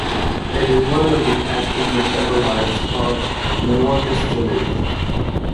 It is one of the active metabolites of norgestimate.